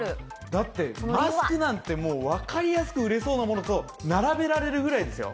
だってマスクなんて、わかりやすく売れそうなものと並べられるぐらいですよ。